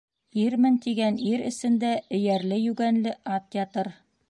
Ирмен тигән ир эсендә эйәрле-йүгәнле ат ятыр